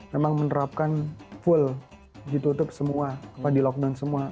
memang menerapkan penyebaran covid sembilan belas di tutup semua atau di lockdown semua